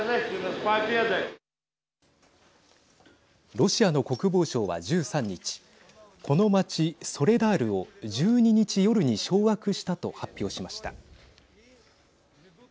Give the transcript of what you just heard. ロシアの国防省は１３日この町ソレダールを１２日夜に掌握したと発表しました。